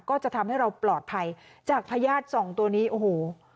ก็จะทำให้เราปลอดภัยจากพญาติสองตัวนี้โอ้โห